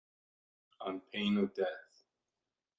On pain of death.